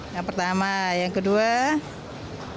yang pertama yang kedua